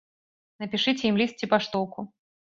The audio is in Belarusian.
Напішыце ім ліст ці паштоўку!